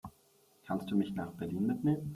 Kannst du mich nach Berlin mitnehmen?